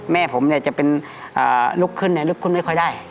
แม่ผมเนี่ยจะเป็นลุกขึ้นลุกขึ้นไม่ค่อยได้